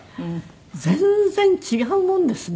全然違うものですね